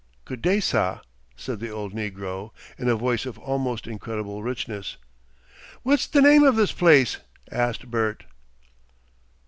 "Good day, sah!" said the old negro, in a voice of almost incredible richness. "What's the name of this place?" asked Bert.